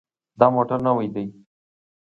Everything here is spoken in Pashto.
دا موټر نوی دی.